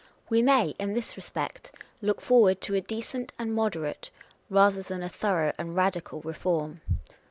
"We may, in this respect, look forward to a decent and moderate, rather than a thorough and radical reform.